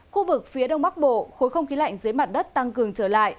khu vực phía đông bắc bộ khối không khí lạnh dưới mặt đất tăng cường trở lại